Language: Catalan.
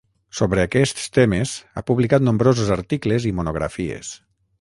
Sobre aquests temes ha publicat nombrosos articles i monografies.